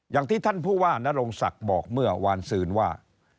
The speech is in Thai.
อย่างที่ท่านผู้ว่านรงศักดิ์บอกเมื่อวานซืนว่า